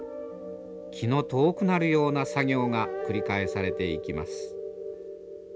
気の遠くなるような作業が繰り返されていきます。